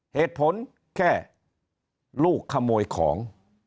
เหตุผลแค่ลูกขโมยของ